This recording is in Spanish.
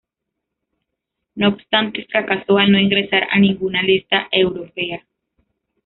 No obstante, fracasó al no ingresar a ninguna lista europea.